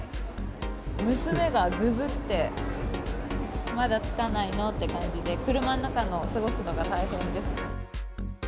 娘がぐずって、まだ着かないの？って感じで、車の中の過ごすのが大変ですね。